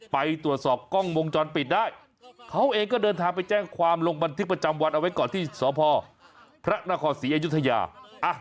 ไปตรวจสอบกล้องวงจรปิดได้เขาเองก็เดินทางไปแจ้งความลงบันทึกประจำวันเอาไว้ก่อนที่สพพระนครศรีอยุธยา